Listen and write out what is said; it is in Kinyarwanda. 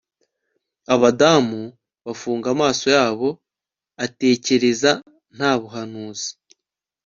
Abadamu bafunga amaso yabo atekereza Nta buhanuzi